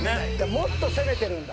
もっと攻めてるんだ。